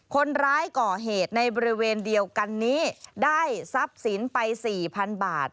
คนร้ายก่อเหตุในบริเวณเดียวกันนี้ได้ทรัพย์สินไปสี่พันบาท